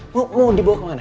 mau dibawa kemana